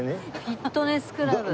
フィットネスクラブ。